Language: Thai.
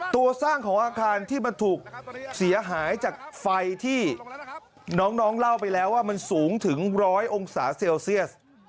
ตัวสร้างของอาคารที่มันถูกเสียหายจากไฟที่น้องเล่าไปแล้วว่ามันสูงถึง๑๐๐องศาเซลเซียส